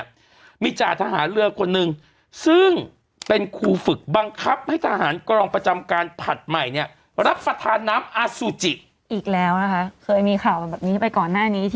หน้านี้ที่อ้าวทำทำไมก่อนเอาอย่างงี้อ่ะทำทำไมก่อน